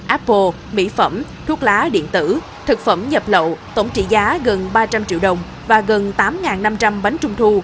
apple mỹ phẩm thuốc lá điện tử thực phẩm nhập lậu tổng trị giá gần ba trăm linh triệu đồng và gần tám năm trăm linh bánh trung thu